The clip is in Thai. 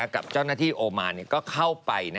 กับเจ้าหน้าที่โอมานก็เข้าไป